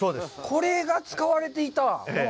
これが使われていたもの？